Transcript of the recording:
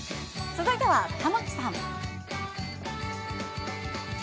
続いては、玉木さん。